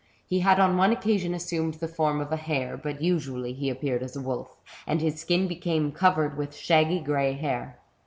He had on one occasion assumed the form of a hare, but usually he appeared as a wolf, and his skin became covered with shaggy grey hair.